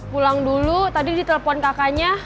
pulang dulu tadi ditelepon kakaknya